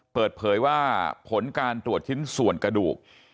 เปิดเผยว่าผลการตรวจชิ้นส่วนกระดูก